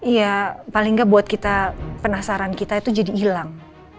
ya paling gak buat penasaran kita itu jadi hilang